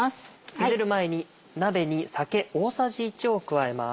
ゆでる前に鍋に酒大さじ１を加えます。